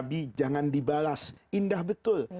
nabi jangan dibalas indah betul